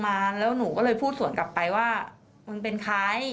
ก็หนูก็เลยพูดส่วนกลับไปว่ามันเป็นใคร